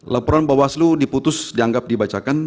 laporan bawaslu diputus dianggap dibacakan